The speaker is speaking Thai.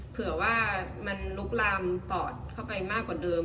เผื่อว่ามันลุกลามปอดเข้าไปมากกว่าเดิม